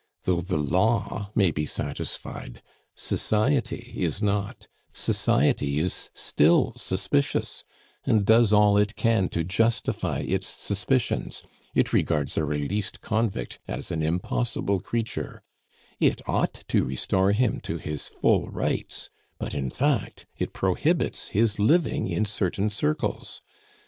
Though the law may be satisfied, society is not; society is still suspicious, and does all it can to justify its suspicions; it regards a released convict as an impossible creature; it ought to restore him to his full rights, but, in fact, it prohibits his living in certain circles.